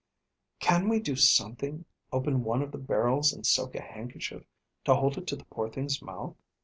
"Can we do something open one of the barrels and soak a handkerchief to hold it to the poor thing's mouth?"